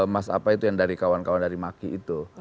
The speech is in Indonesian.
mas apa itu yang dari kawan kawan dari maki itu